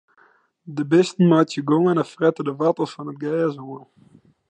De bisten meitsje gongen en frette de woartels fan it gers oan.